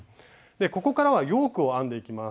ここからはヨークを編んでいきます。